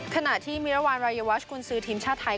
ขณะที่มิรวรรณรายวัชกุญซือทีมชาติไทย